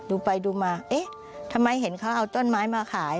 ดูไปดูมาเอ๊ะทำไมเห็นเขาเอาต้นไม้มาขาย